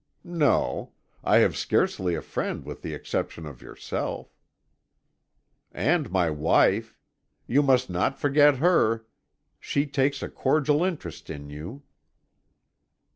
"No. I have scarcely a friend with the exception of yourself." "And my wife. You must not forget her. She takes a cordial interest in you."